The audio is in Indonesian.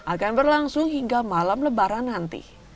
akan berlangsung hingga malam lebaran nanti